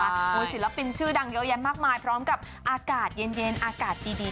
ศิลปินชื่อดังเยอะแยะมากมายพร้อมกับอากาศเย็นอากาศดี